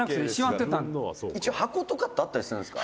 北山：「一応、箱とかってあったりするんですか？」